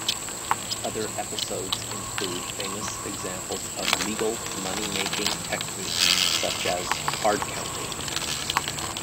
Other episodes include famous examples of legal money-making techniques such as card counting.